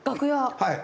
はい。